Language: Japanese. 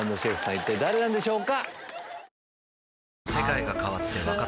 一体誰なんでしょうか？